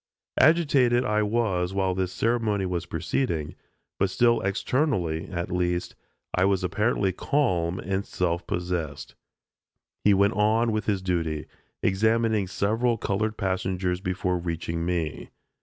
Agitated I was while this ceremony was proceeding, but still externally, at least, I was apparently calm and self possessed. He went on with his duty examining several colored passengers before reaching me.